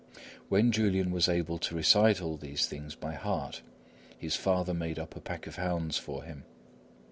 When Julian was able to recite all these things by heart, his father made up a pack of hounds for him.